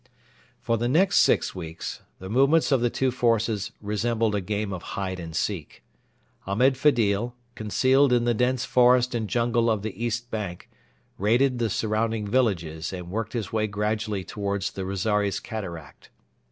For the next six weeks the movements of the two forces resembled a game of hide and seek. Ahmed Fedil, concealed in the dense forest and jungle of the east bank, raided the surrounding villages and worked his way gradually towards the Rosaires Cataract.